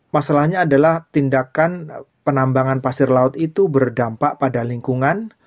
masalahnya adalah tindakan penambangan pasir laut itu berdampak pada lingkungan